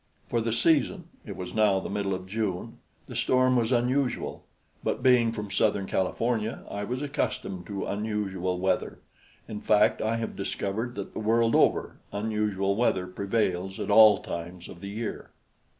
For the season it was now the middle of June the storm was unusual; but being from southern California, I was accustomed to unusual weather. In fact, I have discovered that the world over, unusual weather prevails at all times of the year.